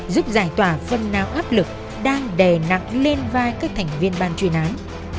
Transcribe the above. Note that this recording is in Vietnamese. giúp giải tỏa phần nào áp lực đang đè nặng lên vai các thành viên ban chuyên án